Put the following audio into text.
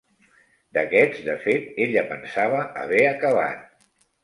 D'aquests, de fet, ella pensava haver acabat.